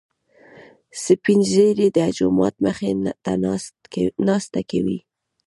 سپين ږيري د جومات مخې ته ناسته کوي.